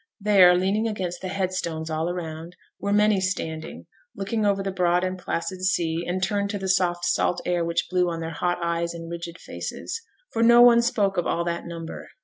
There, leaning against the headstones all around, were many standing looking over the broad and placid sea, and turned to the soft salt air which blew on their hot eyes and rigid faces; for no one spoke of all that number.